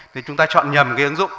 thì chúng ta chọn nhầm cái ứng dụng